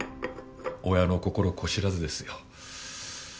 親の心子知らずですよ。